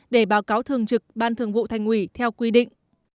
hai nghìn một mươi chín để báo cáo thường trực ban thường vụ thành ủy theo quy định